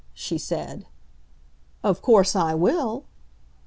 she said. "Of course, I will."